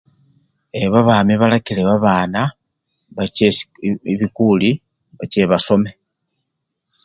Eee! babami balakile babana bache esi! e! e! bi! ebikuli bache basome.